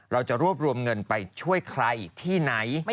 เราจะรวบรวมเงินไปช่วยใครที่ไหน